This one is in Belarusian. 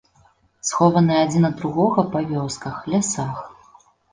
Схованы адзін ад другога па вёсках, лясах.